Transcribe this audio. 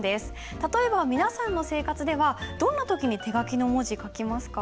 例えば皆さんの生活ではどんな時に手書きの文字書きますか？